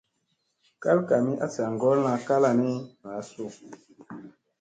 Kal kami a sa ngolla kala ni naaasu.